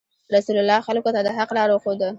رسول الله خلکو ته د حق لار وښوده.